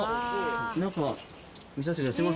中見させてください